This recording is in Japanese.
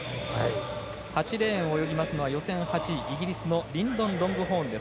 ８レーンを泳ぎますのは予選８位のイギリスのリンドン・ロングホーンです。